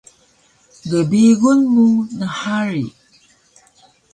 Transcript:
Gbingun mu nhari!